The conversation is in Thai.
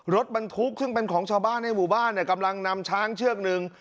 รถบรรทุกซึ่งเป็นของชาวบ้านในหมู่บ้านเนี่ยกำลังนำช้างเชือกหนึ่ง